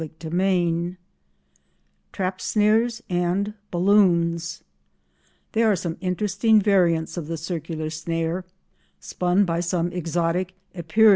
CHAPTER V TRAP SNARES AND BALLOONS There are some interesting variants of the circular snare spun by some exotic Epeirids.